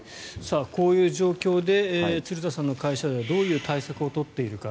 こういう状況で鶴田さんの会社ではどういう対策を取っているか。